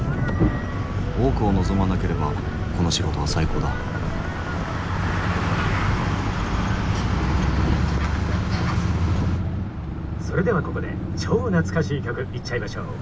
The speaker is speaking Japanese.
多くを望まなければこの仕事は最高だ「それではここで超懐かしい曲いっちゃいましょう。